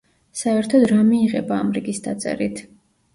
საერთოდ რა მიიღება ამ რიგის დაწერით?